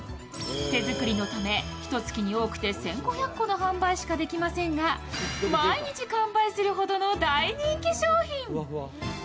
手作りのため、ひと月に多くて１５００個の販売しかできませんが毎日完売するほどの大人気商品。